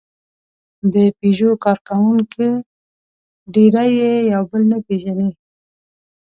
د پيژو کارکوونکي ډېری یې یو بل نه پېژني.